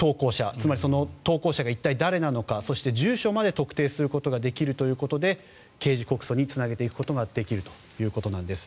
つまり投稿者が一体、誰なのかそして、住所まで特定することができるということで刑事告訴につなげていくことができるということなんです。